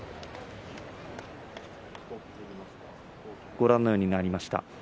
ご覧のようになりました。